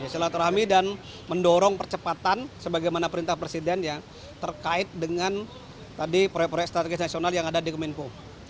silaturami dan mendorong percepatan sebagaimana perintah presiden ya terkait dengan proyek proyek strategis nasional yang ada di kominfo